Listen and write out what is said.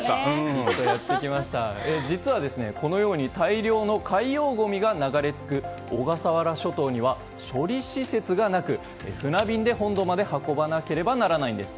実は、このように大量の海洋ごみが流れ着く、小笠原諸島には処理施設がなく、船便で本土まで運ばなければならないんです。